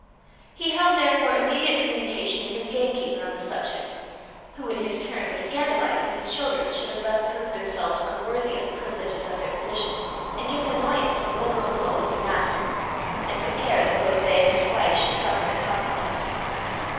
He held therefore immediate communication with his gamekeeper on the subject, who in his turn was scandalized that his children should have thus proved themselves unworthy of the privileges of their position, and given annoyance to the liberal soul of their master, and took care that both they and his wife should suffer in consequence.